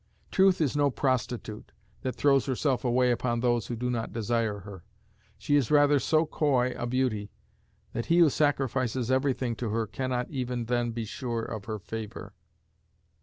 Truth is no prostitute, that throws herself away upon those who do not desire her; she is rather so coy a beauty that he who sacrifices everything to her cannot even then be sure of her favour.